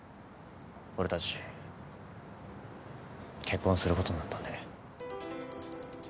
俺たち結婚することになったんで。